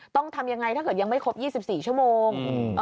ต้องทำยังไงถ้าเกิดยังไม่ครบยี่สิบสี่ชั่วโมง